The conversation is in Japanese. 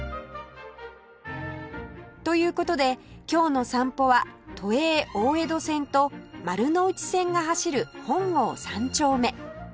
という事で今日の散歩は都営大江戸線と丸ノ内線が走る本郷三丁目